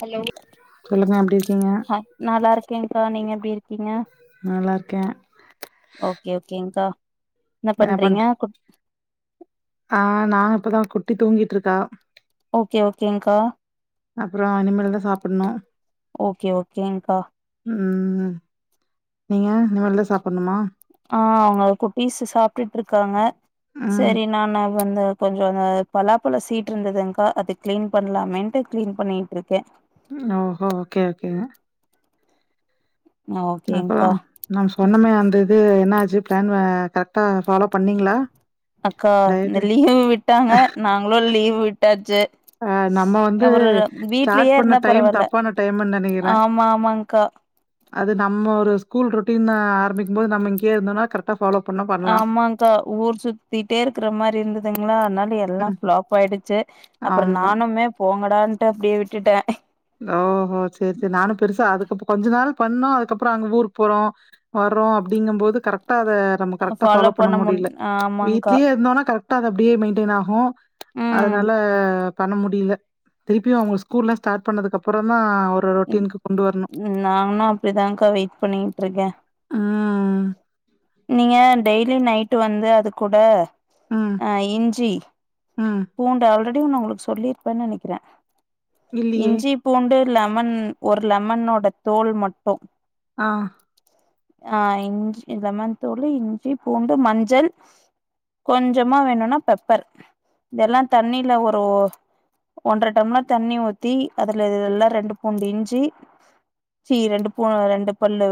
Hello சொல்லுங்க எப்படி இருக்கீங்க? நல்லா இருக்கேங்க்கா நீங்க எப்டி இருக்கீங்க நல்லாருக்கேன் ஓகே ஓகேக்கா என்ன பண்றீங்க ஆ நா இப்பதா குட்டி தூங்கிட்டுருக்கா ஓகே ஓகேங்க்கா அப்றம் இனிமேல் தா சாப்பணும் ஓகே ஓகேங்கா ம் நீங்க இனிமேல் தா சாப்பட்ணுமா ஆ அவங்க குட்டீஸு சாப்ட்டுட்டு இருக்காங்க ம். சரி நானு வந்து கொஞ்ச அந்த பலாப்பழ சீட் இருந்தது்கா அது கிளீன் பண்ணலாமேன்ட்டு கிளீன் பண்ணிட்டுருக்கே ஓஹோ ஓகே ஓகே ஓகேங்க்கா அப்பறம் நம் சொன்னமே அந்த இது என்ன ஆச்சு பிளான் கரெக்டா அக்கா இந்த டயட்டு. லீவு விட்டாங்க நாங்களும் லீவு் விட்டாச்சு அ நம்ம வந்து ஒரு வீட்லயே ஸ்டார்ட் பண்ண இருந்தா டைம் பரவால்ல தப்பான டைம்ன்னு நனைக்கறேன் ஆமா ஆமாங்க்கா அது நம்ம ஒரு ஸ்கூல் ருட்டீன் தா ஆரம்பிக்கும் போது நம்ம இங்கயே இருந்தோனா கரெ்ட் க்டா ஃபாலோ பண்ண ஆமாக்கா ஊர் சுத்திட்டே இருக்கற மாரி இருந்ததுங்களா அதனால எல்லா ம். ஃப்ளாப் ஆயிடுச்சு அப்பறம் ஆமா. நானுமே போங்கடான்ட்டு அப்டியே விட்டுட்டே ஓஹோ சரி சரி நானு பெருசா அதுக்கப்பம் கொஞ்ச நாள் பண்ணோம் அதுக்கப்பறம் அங்க ஊருக்கு போறோம் வரோம் அப்டிங்கும்போது கரெக்டா அத நம்ம கரெக்டா ஃபாலோ பண்ண முடில வீட்லேயே இருந்தோம்னா கரெக் டா அது அப்டியே மெயின்டெயன் ஆகும் ம் அதனால பண்ண முடில திருப்பியும் அங்களுக்கு ஸ்கூல்லாம் ஸ்டாட் பண்ணதுகப்றம் தா ஒரு ரொட்டின்க்கு கொண்டு வரணு நானும் அப்டிதாகா வெயிட் பண்ணிட்டுருக்கேன் ம். நீங்க டெய்லி நைட் வந்து அது கூட ம். அ இஞ்சி ம். பூண்டு ஆல்ரெடி நா உங்களுக்கு சொல்லிருப்பேன்னு நனைக்கறேன் இல்லியே! இஞ்சி பூண்டு லெமன் ஒரு லெமனோட தோல் மட்டும் ஆ ஆ இஞ்சி லெமன் தூளு இஞ்சி பூண்டு மஞ்சள் கொஞ்சமா வேணும்னா பெப்பர் இதல்லாம் தண்ணில ஒரு ஒன்றர டம்ளர் தண்ணி ஊத்தி அதுல இத எல்லாம் ரெண்டு கொஞ்ச இஞ்சி சி ரெண்டு பூ ரெண்டு பல்லு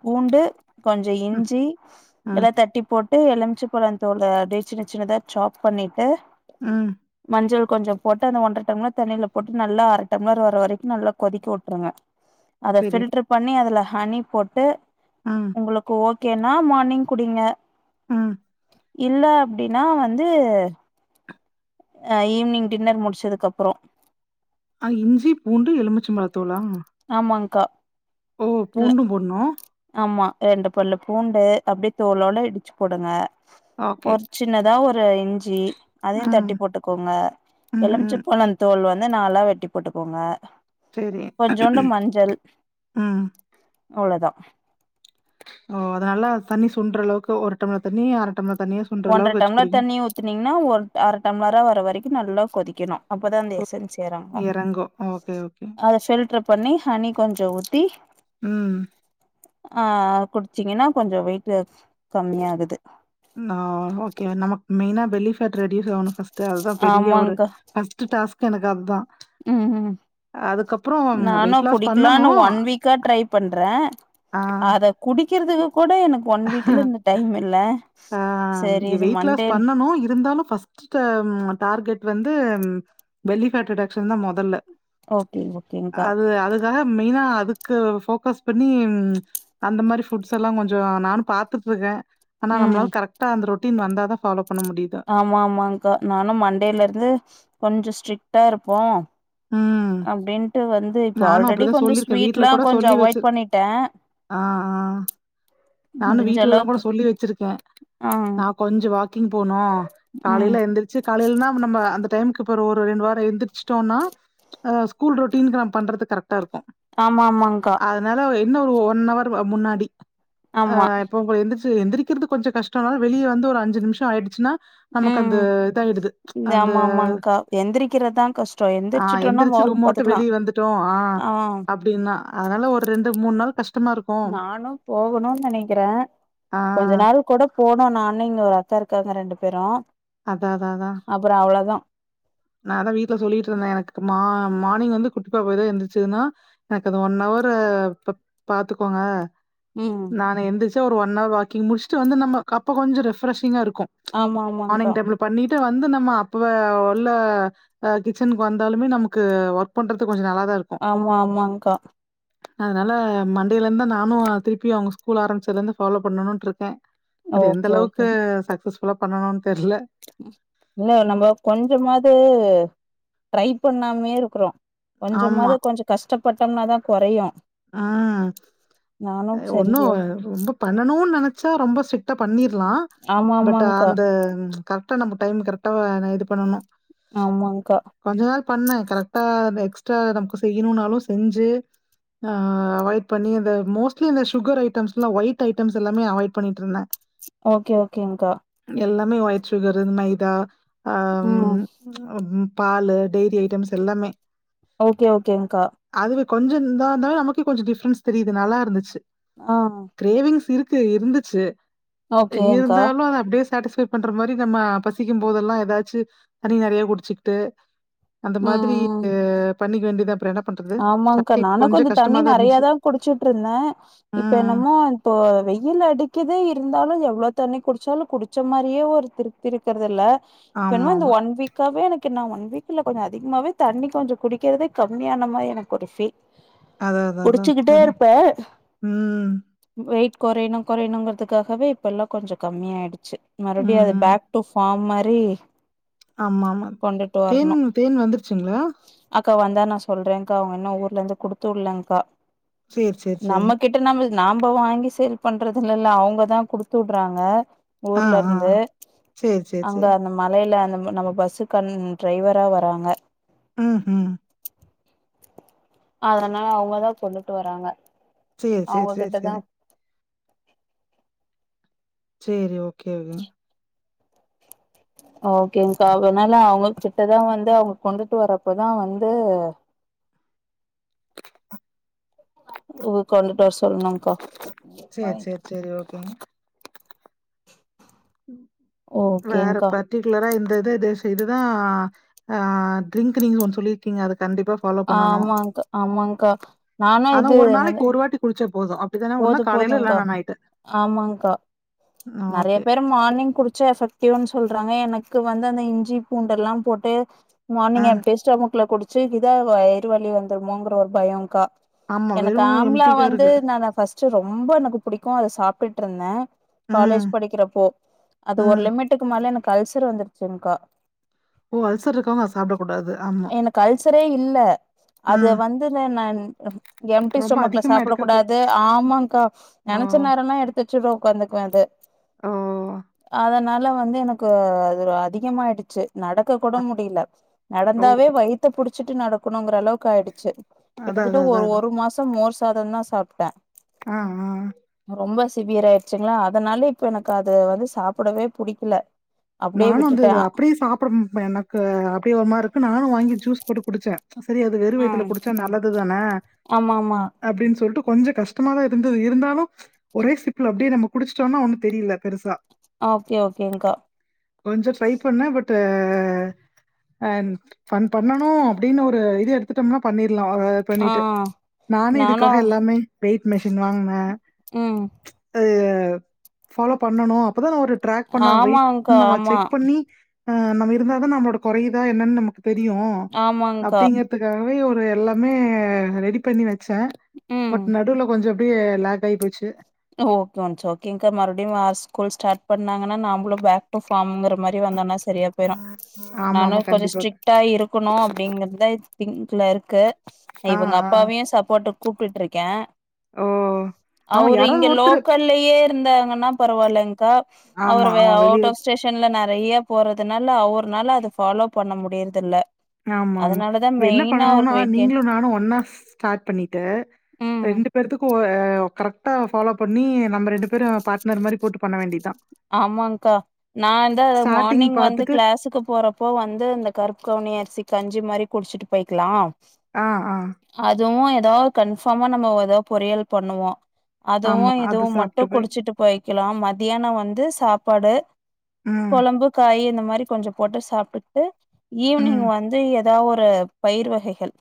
பூண்டு கொஞ்ச ம். இஞ்சி ம். எல்லா தட்டி போட் டு எலுமிச்சு பழ தோலு அப்டியே சின்ன சின்னதா சாப் பண்ணிட்டு ம் மஞ்சள் கொஞ்ச போட்டு அந்த ஒன்றர டம்ளர் தண்ணியில போட்டு நல்லா அர டம்ளர் வர வரைக்கு நல்ல கொதிக்க வுட்ருங்க அத சரி. ஃபில்டர் பண்ணி அதுல ஹனி போட்டு ம் உங்களுக்கு ஓகேனா மார்னிங் குடிங்க ம் இல்ல அப்டினா வந்து அ ஈவ்னிங் டின்னர் முடிச்சதுக்கப்றோ ஆ இஞ்சி பூண்டு எலுமிச்ச பழத் தோலா ஆமாங்கா ஓ பூண்டு போட்னு ஆமா ரெண்டு பல்லு பூண்டு அப்டியே தோலோட இடிச்சு போடுங்க ஓகே. ஒரு சின்னதா ஒரு இஞ்சி அதையு ம். தட்டி போட்டுக்கோங்க ம். ம். எலுமிச்ச பழ தோல் வந் து நாளா வெட்டி போட்டுக்கோங்க சேரி கொஞ்சோண்டு மஞ்சள் அவ்ளோ தா ஓ அதனால தண்ணி சுன்ற அளவுக்கு ஒரு டம்ள தண்ணி அர டம்ள தண்ணிய சுண்ட்ற ஒன்றர அளவுக்கு வச்சு டம்ளர் குடிங்க. தண்ணி ஊத்துனீங்ன்னா ஒரு அர டம்ளரா வர வரைக்கு நல்லா கொதிக்கணு அப்பதா அந்த எசன்ஸ் ம். எறங்கு இறங்கும். Okay, okay. அத ஃபில்ட்ரு பண்ணி ஹனி கொஞ்ச ஊத்தி ம் ஆ குடிச்சீங்கன்னா கொஞ்ச வெயிட்டு கம்மியாகுது நா ஓகே நமக்கு மெய்னா பெல்லி ஃபேட் ரெடியூஸ் ஆவனு ஃபஸ்ட்டு அதுதா பெரிய ஒரு ஆமாங்க்கா ஃபஸ்ட் டாஸ்க் எனக்கு அத்தா ம் ம் நானு வெயிட் லாஸ் குடிக்கலான் பண்ணணும். ஒன் வீக்கா ட்ரை பண்ற ஆ அத குடிக்கிறதுக்கு கூட எனக் ஆ சரி எ வெயிட் லாஸ் மண்டே பண்ணனு இருந்தாலு ஃபஸ் ட்டு டார்கெட் வந்து பெல்லி ஃபேட் ரிடக்க்ஷன் தா மொதல்ல ஓகே ஓகேங்க்கா அது அது தா மெய்னா அதுக்கு ஃபோக்கஸ் பண்ணி அந்த மாரி ஃபுட்ஸ் எல்லா கொஞ்ச நானு பாத்துட்ருக்க ஆனா ம் நம்மளால கரெக்டா அந்த ரொட்டீன் வந்த தா ஃபாலோ பண்ண முடியுது ஆமா ஆமாங்கா நானு மண்டேல இருந்து கொஞ்சோ ஸ்ட்ரிக்டா இருப்போ ம் அப்டின்ட்டு வந்து இப்ப நானும் ஆல்ரெடி அப்படிதான் கொஞ்ச சொல்லிருக்கே. வீட்ல ஸ்வீட்லா கூட கொஞ்ச சொல்லி அவாய்ட் வச்சிரு பண்ணிட்ட ஆ ஆ நானு முடிஞ்ச வீட்டுலலா கூட அளவுக்கு சொல்லி வச்சிருக்கே ஆ சாப் கொஞ்ச வாக்கிங் போனு ம் காலையில எந்திரி ச்சி காலையில்னா நம்ம அந்த டைமுக்கு இப்ப ஒரு ஒரு ரெண்டு வாரோ எந்திரிச்சிட்டோனா ஆ ஸ்கூல் ரொட்டீனுக்கு நா பண்றது கரெக்டா இருக்கு ஆமா ஆமாங்கா அதனால என்ன ஒரு ஒன் ஆவர் அ முன்னாடி அ ஆமா இப்ப உங்க எந்திருச்சி எந்திரி கிறது கொஞ்ச கஷ்ட தா வெளிய வந்து ஒரு அஞ்சி நிமிஷோ ஆய்டுச்சின்னா நமக்கு அந்த ம் இதாயிடுது அந்த எந்திரிக்கிறதா கஷ் ஆ எந்திரிச்சு ரூமவுட்டு வெளிய வந்துட்டோ ஆ அப்படின்னா அதனால ஒரு ரெண்டு மூணு நாள் கஷ் நானு போகணுனு நினைக்கிறே ஆ கொஞ்ச நாள் கூட போனோ நானு இங்க ஒரு அக்கா இருக்காங்க ரெண்டு பேரு அதா அதா அதா அப்புற அவ்வளதா நா அதான் வீட்ல சொல்லிட்டு இருந்தே எனக்கு மா மார்னிங் வந்து குட்டி பாப்பா எதா எந்துச்சதுன்னா எனக்கு அது ஒன் ஹவர் பா பாத்துக்கோங்க ம் நானு எந்துச்சா ஒரு ஒன் ஹவர் வாக்கிங் முடிச்சுட்டு வந்து நம்ம அப்ப கொஞ்ச ரெஃப்ரெஷிங்கா இருக்கு ஆமா ஆமாங்க்கா மார்னிங் டைம்ல பண்ணிட்டு வந்து நம்ம அப்ப நல்ல கிச்சனுக்கு வந்தாலுமே நமக்கு ஒர்க் பண்றதுக் கொஞ்ச நல்லா தா இருக்கு ஆமா ஆமாங்கா அதனால மண்டேல இருந்தான் நானு திருப்பியும் அவங்க ஸ்கூல் ஆரம்பிச்சதுல இருந்து ஃபாலோ பண்ணணும்ட்டு இருக்கே அது எந்த ஓகே அளவுக்கு ஓகே சக்சஸ்ஃபுல்லா பண்ணணுனு தெர்ல இல்ல நம்ம கொஞ்சமாவது ட்ரை பண்ணாமே இருக்கிறோ ஆமா. கொஞ்சமாவது கொஞ்ச கஷ்டப்பட்டோம்னாதா குறையு ஆ சரி ஒன்னு ரொம்ப பண்ணணுனு நினைச்சா ரொம்ப ஸ்டிட்டா பண்ணிரர்லா ஆமா பட் ஆமாங்க்கா அந்த கரெக்டா நம்ம டைம் கரெக்டா நம்ம இது பண்ணணு ஆமாங்கா கொஞ்ச நாள் பண்ணேன் கரெக்டா எக்ஸ்ட்ரா நமக்கு செய்யணுனாலு செஞ்சு ஆ அவாய்ட் பண்ணி அந்த மோஸ்ட்லி இந்த சுகர் ஐட்டம்ஸ்லா ஒயிட் ஐட்டம்ஸ் எல்லாமே அவாய்ட் பண்ணிட்டு இருந்தே ஓகே ஓகேங்கா எல்லாமே ஒயிட் சுகரு மைதா ஆம் ம் பால்லு டெயிரி ஐட்டம்ஸ் எல்லாமே ஓகே ஓகேங்கா அதுவே கொஞ்ச இந்தா தா இருந்தாலே நமக்கே கொஞ்ச டிஃப்ரென்ஸ் தெரியுது நல்லா இருந்துச்சு ஆ கிரேவிங்ஸ் இருக்கு இருந்துச்சு ஓகேங்க்கா இருந்தாலு அது அப்படியே சாட்டிஸ்ஃபை பண்ற மாரி நம்ம பசிக்கும் போதெல்லா எதாச்சு தண்ணி நிறைய குடிச்சுக்கிட்டு அந்த ம் மாதிரி ம் பண்ணிக்க வேண்டியதா அப்புற என்ன பண்றது ஸ்டாடிங் ஆனா கொஞ்ச தண்ணி நிறைய தா குடிச்சுட்டு இருந்தே இப்ப ம். என்னமோ இப்போ வெயில் அடிக்கிது இருந்தாலு எவ்ளோ தண்ணி குடிச்சாலும் குடிச்ச மாரியே ஒரு திருப் இருக்கிறதுல்லா இப்ப என்னமோ இந்த ஆமாமா. ஒன் வீக் க்காவே எனக்கு நா ஒன் வீக்ல கொஞ்சம் அதிகமாவே தண்ணி கொஞ்ச குடிக்கிறதே கம்மியான மாரி எனக்கு ஒரு ஃபீ அதா அதா அதா ம் வெயிட் குறையணு குறையணுங்கிறதுக்காகவே இப்ப எல்லா கொஞ்ச கம்மியயிடுச்சு மறுபடியும் ம், அது ம். பேக் டு ஃபார்ம் மாரி ஆமா ஆமா கொண்டுட்டு தேன் வரணு தேன் வந்துருச்சுங்களா அக்கா வந்தா நா சொல்றேன்கா அவுங்க இன்னு ஊர்ல இருந்து குடுத்து உட்லேங்க்கா சேரி, சேரி, சேரி. நம்மகிட் ட நம்ம நாம்ப வாங்கி சேல் பண்றது இல்லல்ல அவுங்கதா குடுத்து விடுறாங்க ஆ, ஊர்ல ஆ. இருந்து சேரி, சேரி, அங்க சேரி. அந்த மலையில அந்த நம்ம பஸ் கண் டிரைவரா வராங்க ம்ஹு அதனனால அவங்கதா கொண்டுட்டு வராங்க சேர் அவங்க சேர் சேர் கிட்டதா செரி சேரி ஓகே ஒகே ஓகேங்க்கா அதனால அவங்க கிட்டதா வந்து அவங்க கொண்டுட்டு வரப்பதா வந்து உ கொண்டுட்டு வர சொல்ணுக்கா செரி ஓகேங் வேற ஓகேங்க்கா பட் டிகுலரா இந்த இது இது ச இதுதா ஆ ட்ரிங்க் நீங்க ஒன்னு சொல்லிருக்கீங்க அது கண்டிப்பா ஃபாலோ பண்ணணும். ஆமாக் ஆமாங்கா நானு இது என்னது புளுச்சா போது அப் போது போதுக்கா ஆமாங்கா நெறைய ஓகே. பேர் மார்னிங் குடிச்சா எஃபெக்டிவ்ன்னு சொல்றாங்க எனக்கு வந்து அந்த இஞ்சி பூண்டெல்லா போட்டு மார்னிங் ம். எம்ட்டி ஸ்டொமக்குல குடிச்சு இதா வயறு வலி வந்துருமோங்கிற ஒரு பயோங்கா ஆமா எனக்கு வெறும் ஆம்லா எம்டி வந்து கருக்கு. நானா ஃபஸ்ட் ரொம்ப எனக்கு புடிக்கு அத சாப்ட்டுட்ருந்தே ம், காலேஜ் படிக்கிறப்போ அது ஒரு ம். லிமிட்டுக்கு மேல எனக்கு அல்சர் வந்துருச்சுங்கக்கா ஓ அல்சர் இருக்கவங்க அத சாப்பிடக்கூடாது. ஆமா. எனக்கு அல்சரே இல்ல அது ம். வந்துல நான் எம்ட்டி ரொம்ப ஸ்டோமக்ல அதிகமா சாப்புடக் எடுக்கக்கூ கூடாது ஆமாங்க்கா ஓ, நெனச்ச நேரோல்லா எடுத்து வச்சுட்டு உக்காந்துக்குவே அத ஓ. அதனால வந்து எனக்கு அது அதிகமாயிடுச்சு நடக்கக் கூட முடியலே ஓ நடந்தாவே வயித்த புடிச்சுட்டு நடக்கணுங்குற அளவுக்கு ஆயிடுச்சு அதா கிட்டத்தட்ட அதா ஒ அதா அதா ஒரு மாசோ மோர் சாதந்தா சாப்ட்ட ஆ ஆ அ ரொம்ப சிவியர் ஆயிடுச்சுங்ளா அதனால இப்போ எனக்கு அத வந்து சாப்புடவே புடிக்கல அப்டியே நானு வந்து விட்டுட்டேன் அப்டியே சாப்புட எனக்கு அப்டியே ஒரு மாருக்கு நானு வாங்கி ஜூஸ் போட்டு குடிச்சே செரி அது வெறு வயத்துல குடிச்சா நல்லதுதானே ஆமா ஆமா அப்டின் சொல்ட்டு கொஞ்சோ கஷ்டமாதா இருந்தது இருந்தாலு ஒரே சிப்புல அப்டியே நம்ம குடிச்சிட்டோனா ஒன்னு தெரில பெருசா ஓகே ஓகேங்க்கா கொஞ்சோ ட்ரை பண்ணே பட் அன் ஃபன் பண்ணணு அப்டின்னு ஒரு இது எடுத் துட்டோம்னா பண்ணிர்லா ஆ பண்ணிட்டு நானு இதுக்காக நானும் எல்லாமே வெயிட் மெஷின் வாங்குனே ம் து ஃபாலோ பண்ணணு அப்பதா நம ஒரு ட்ராக் பண்ணா வெயிட் ஆமாங்க்கா நம்ம ஆமா செக் பண்ணி ஆ நம்ம இருந்தாதா நம்மோட கொறயுதா என்னன்னு நமக்கு தெரியு ஆமாங்க்கா அப்டிங்கற த்துக்காகவே ஒரு எல்லாமே ரெடி பண்ணி வச் சே ம் பட் நடுவுல கொஞ்சோ அப்டியே லாக் ஆகி போச்சு ஓகே ஒன்ஸ் ஓகேங்கா மறுபடியு வே ஸ்கூல் ஸ்டார்ட் பண்ணாங்கன்னா நம்மலு பேக் ட்டு ஃபார்ம்ங்குற மாரி வந்தோன்னா சரியா போயிரு ஆமா, நானு ஆமா. கொஞ்சோ கண்டிப்பாக. ஸ்ட்ரிக்டா இருக்கணு அப்டிங்கறதுதா திங்க்ல இருக்கு நா ஆ, இவ்ங்க ஆ. அப்பாவையு சப்போர்ட்டுக் கூப்ட்டுட்டுருக்கே அ ஆமா யாராவ்து ஒருத்தரு ட்லேயே இருந்தாங்கன்னா பரவாயில்லங்கக்கா ஆமா, அவர் வே அவன் அவுட் வெளியில ஆஃப் ஸ்டேஷ் ஷன்ல நெறைய போறதுனால அவர்னால அத ஃபாலோ பண்ண முடியுறதுல்ல ஆமா ஆமா இப்ப என்ன பண்ணணுன்னா வெயிட் கெயின் நீங்களு நானு ஒன்னா ஸ்டார்ட் பண்ணிட்டு ம் ரெண்டு பேத்துக்கு ஒ அ கரெக்டா ஃபாலோ பண்ணி நம்ம ரெண்டு பேரு பார்ட்னர் மாரி போட்டு பண்ண வேண்டிதா ஆமாங்க்கா நா வந்து அது ஸ்டார்ட்டிங் மார்னிங் வந்து பார்த்துட்டு கிளாஸுக்கு போறப் ப்போ வந்து இந்த கருப்பு கவுனி அரிசி கஞ்சி மாதிரி குடிச்சிட்டு போயிக்கலாம் ஆ ஆ அதுவு ஏதாவது கன்ஃபார்மா நம்ம ஏதா பொரியல் பண்ணுவோ அதுவு ஆமா. அது இதுவு சாப்ட்டு மட்டும் போய் குடிச்சிட்டு போயிக்கலாம் மத்தியானம் வந்து சாப்பாடு ம், கொழம்பு காய் இந்த மாரி கொஞ்சோ போட்டு சாப்ட்டுட்டு ஈவினிங் ம். வந்து ஏதாவது ஒரு பயிர் வகைகள்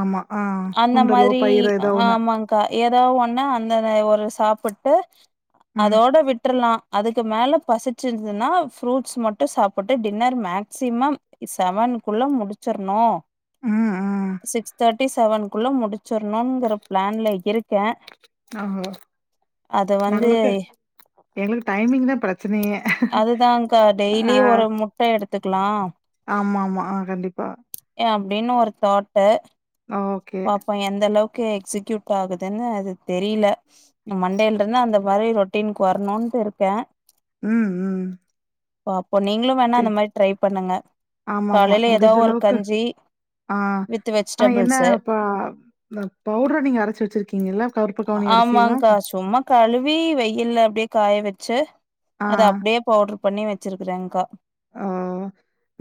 ஆமா. ஆ அன்ன சுண்டலோ, மாதிரி பயிரோ ஏதோ ஒண்ணு. ஆமாங் கா ஏதாவ் ஒண்ணா அந்த ஒரு சாப்பிட்டு ம், அதோட விட் டுர்லாம் அதுக்கு மேல பசிச்சிருதுன்னா ஃப்ரூட்ஸ் மட்டும் சாப்பிட்டு டின்னர் மேக்சிமம் செவனுக்குள்ள முடிச்சிரணும் ம், ம். சிக்ஸ் தேர்ட்டி செவனுக்குள்ள முடிச் ச்சுர்ணுங்குற ப்ளான்ல இர்க்கே ஓஹோ! அத வந்து நம்மளுக்கு எங்களுக்கு டைமிங் தான் பிரச்சனையே. அது தான்க்கா டெய்லி ஒரு முட்ட எடுத்துக்கலா ஆமாம்மா ஆ கண்டிப்பா ஏ அப்டின்னு ஒரு தாட்டு ஓகே இப்போ எந்த அளவுக்கு எக்ஸிகியூட் ஆகுதுன்னு அது தெரில இந்த மன்டேல இருந்து அந்த மாதிரி ரொட்டின்க்கு வரணும்னு இருக்கே ம் ம் பாப்போ நீங்களு வேணா சரி. அந்த மாரி ட்ரை பண்ணுங்க ஆமாமா. காலைல முடிஞ்ச எதாவ் ஒரு அளவுக்கு கஞ்சி ஆ வித் ஆனா என்ன வெஜிடபிள்ஸ் அப்ப பவுடர் நீங்க அரச்சு வச் சிருக்கிங்கல்ல கருப்பு கவ்னி அரிசி எல்லா ஆமாங்க்கா சும்மா கழுவி வெயில்ல அப்டியே காய வச்சு ஆ. அத அப்டியே பவுடர் பண்ணி வச்சிருக்கறேங்கா ஆ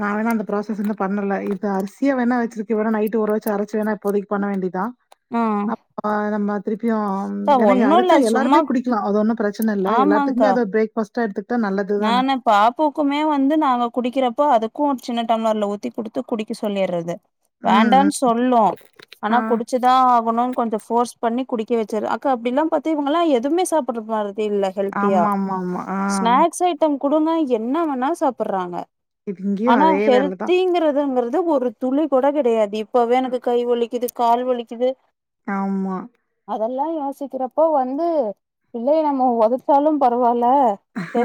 நா வேணா அந்த ப்ராசஸ் இன்னு பண்ணல இது அரிசிய வேணா வச்சிருக்க வேணா நைட்டு ஊர வச்சு அரச்சு வேணா இப்போதிக்கு பண்ண வேண்டியதா ம் அப்பா நம்ம திருப்பியு க்கா ஏனா ஒன்னு அரச்ச இல்ல சும்மா எல்லாருமே குடிக்கலா அது ஒன்னு ப்ரச்சன இல்ல எல்லாத்துக்குமே ஆமாங்க்கா அது ஒரு பிரேக் ஃபாஸ்ட் முட்ட எடுத்துக்கிட்டா நல்லது தான நானு பாப்புக்குமே வந்து நாங்க குடிக்கறப்போ அதுக்கு ஒரு சின்ன டம்ளர்ல ஊத்தி குடுத்து குடிக்க சொல்லிர்றது ம், ம். வேண்டான்னு சொல்லு ஆனா ஆ. குடிச்சு குடிச்சு தா ஆகணு கொஞ்சோ போர்ஸ் பண்ணி குடிக்க வெச்சிரு அக்கா அப்டி எல்லா பாத்தி இவங்கல்லா எதுமே சாப்பற மாரி இல்ல ஹெல்த்தியா ஆம்மாம்மா ஸ்நாக்ஸ் ஐட்டம் குடுங்க என்னா வேணா சாப்ட்றாங்க இங்கேயும் ஆனா அதே வேல தான். ஹெல்திங்கிறதுங்கறது ஒரு துளி கூட கெடையாது இப்பவே எனக்கு கை வலிக்குது கால் வலிக்குது ஆம்மா அதெல்லா யோசிக்கிறப்போ வந்து பிள்ளைய நம்ம உதச்சாலு பரவால்ல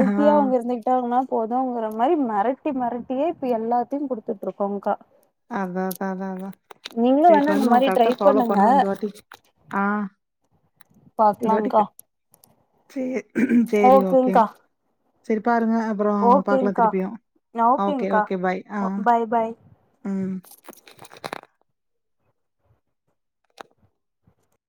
ஆ. அவ்ங்க இருந்திக் கிட்டாங்குனா போதுங்கிற மாரி மெரட்டி மெரட்டியே இப்ப எல்லாத்தையு குடுத்துட்டு இருக்கோங்கா அதா தா தா தா செரி வேணா இந்த பண்வோ மாரி ட்ரை கரெக்டா ஃபாலோ பண்ணுங்க பண்ணுவோ இந்த வாட்டி ஆ பாக்லாங்கா சேர் செரி ஓகே ஓகேங்க்கா செரி பாருங்களே அப்றோ பாக்லா ஓகேங்க்கா திருப்பியு ஓகே ஓகேங்க்கா ஓகே பாய் ஆ பாய் பாய் ம்